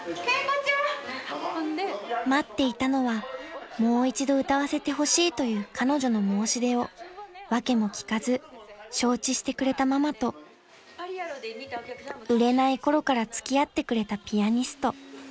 ［待っていたのはもう一度歌わせてほしいという彼女の申し出を訳も聞かず承知してくれたママと売れない頃から付き合ってくれたピアニスト］